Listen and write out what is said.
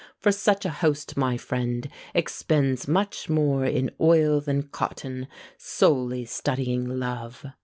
For such a host, my friend! expends much more In oil than cotton; solely studying love!